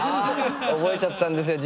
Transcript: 覚えちゃったんですよ